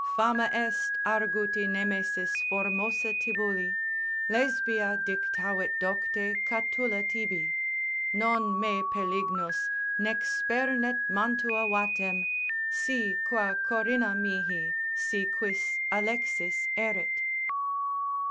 Fama est arguti Nemesis formosa Tibulli, Lesbia dictavit docte Catulle tibi. Non me Pelignus, nec spernet Mantua vatem, Si qua Corinna mihi, si quis Alexis erit.